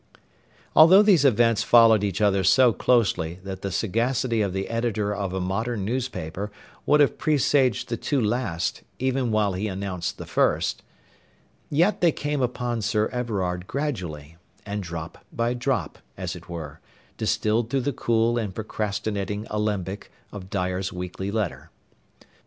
Although these events followed each other so closely that the sagacity of the editor of a modern newspaper would have presaged the two last even while he announced the first, yet they came upon Sir Everard gradually, and drop by drop, as it were, distilled through the cool and procrastinating alembic of Dyer's 'Weekly Letter.'